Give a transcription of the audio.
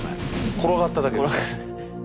転がっただけです。